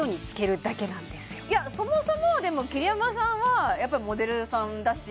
そもそもでも桐山さんはやっぱりモデルさんだし